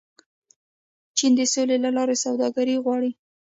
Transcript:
چین د سولې له لارې سوداګري غواړي.